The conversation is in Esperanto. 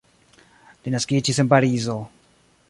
Li naskiĝis en Parizo.